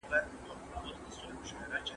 کورنۍ د ټولني زړه دی.